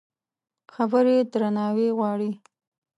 خبرې درناوی غواړي.